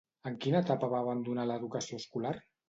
En quina etapa va abandonar l'educació escolar?